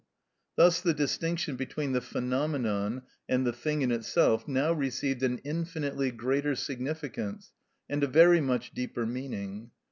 Thus the distinction between the phenomenon and the thing in itself now received an infinitely greater significance, and a very much deeper meaning.